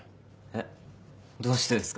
えっどうしてですか？